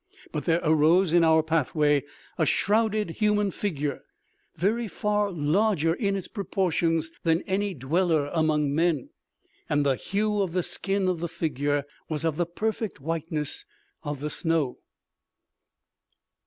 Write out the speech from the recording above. But there arose in our pathway a shrouded human figure, very far larger in its proportions than any dweller among men. And the hue of the skin of the figure was of the perfect whiteness of the snow.